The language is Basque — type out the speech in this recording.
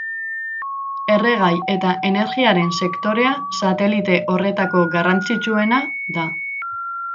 Erregai eta energiaren sektorea satelite horretako garrantzitsuena da.